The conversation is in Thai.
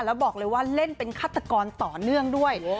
แล้วบอกเลยว่าเล่นเป็นฆาตกรต่อเนื่องด้วย